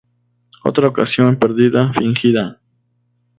Otra ocasión perdida, fingida...